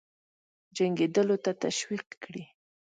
جنګېدلو ته تشویق کړي.